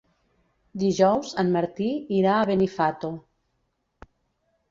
Dijous en Martí irà a Benifato.